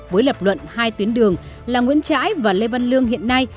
với lập luận hai tuyến đường là nguyễn trãi và lê văn lương hiện nay